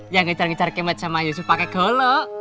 yang ngejar ngejar kemet sama yusuf pake golo